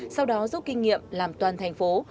sau đó giúp kinh nghiệm làm toàn thành phố